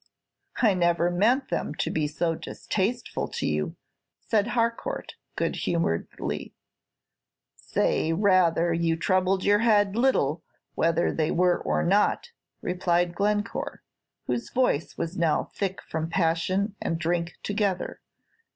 "I never meant them to be so distasteful to you," said Harcourt, good humoredly. "Say, rather, you troubled your head little whether they were or not," replied Glencore, whose voice was now thick from passion and drink together.